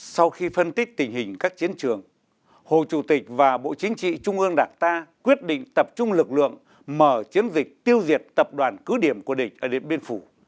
sau khi phân tích tình hình các chiến trường hồ chủ tịch và bộ chính trị trung ương đảng ta quyết định tập trung lực lượng mở chiến dịch tiêu diệt tập đoàn cứ điểm của địch ở điện biên phủ